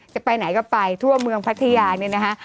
จะไปไหนก็ไปทั่วเมืองพัทยาเนี่ยนะคะ